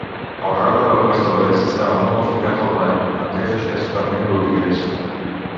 El rap de la Costa Oest estava molt enfocat al ball, amb lletres principalment lúdiques.